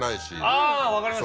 あぁ分かります。